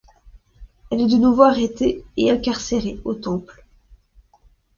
Elle est de nouveau arrêtée et incarcérée au Temple.